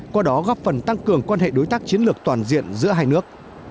qua đó góp phần tăng cường quan hệ đối tác chiến lược toàn diện giữa hai nước